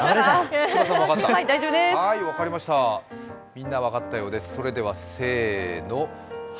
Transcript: みんな分かったようです。